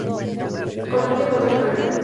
Colombia, Ecuador y Perú.